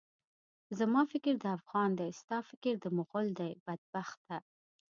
زما فکر د افغان دی، ستا فکر د مُغل دی، بدبخته!